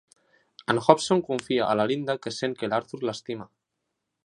En Hobson confia a la Linda que sent que l'Arthur l'estima.